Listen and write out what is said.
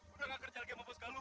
udah ga kerja lagi sama bos galuh